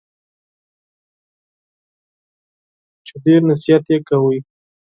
چي ډېر نصیحت یې کاوه !